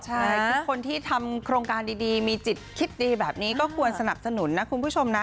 ใช่คือคนที่ทำโครงการดีมีจิตคิดดีแบบนี้ก็ควรสนับสนุนนะคุณผู้ชมนะ